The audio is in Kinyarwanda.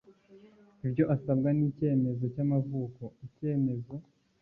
Ibyo asabwa ni icyemezo cy'amavuko, Icyemezo